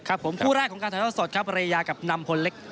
ผมคู่แรกของการถ่ายเท่าสดครับเรยากับนำพลเล็ก